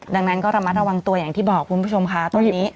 ดังนั้นก็ระมัดระวังตัวอย่างที่บอกคุณผู้ชมค่ะตอนนี้